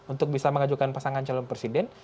untuk bisa mengajukan pasangan calon presiden